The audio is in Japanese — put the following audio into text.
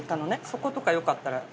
そことかよかったら。